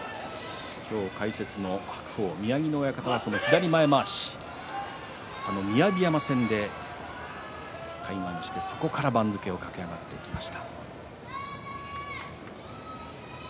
今日解説の白鵬宮城野親方は左前まわし雅山戦で開眼してそこから番付を駆け上がってきました。